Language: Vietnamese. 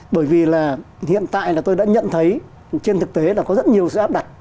bởi vì là hiện tại là tôi đã nhận thấy trên thực tế là có rất nhiều sự áp đặt